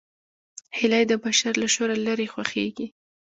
هیلۍ د بشر له شوره لیرې خوښېږي